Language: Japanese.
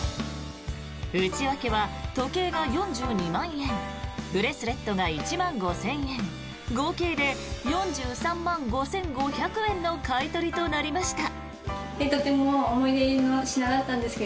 内訳は時計が４２万円ブレスレットが１万５０００円合計で４３万５５００円の買い取りとなりました。